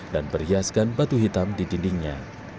dan perhiaskan batu hitam di dindingnya